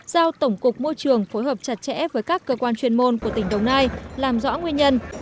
giao tổng cục môi trường phối hợp chặt chẽ với các cơ quan chuyên môn của tỉnh đồng nai làm rõ nguyên nhân